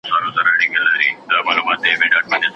لیکوال د لوستو قشر یادونه کوي.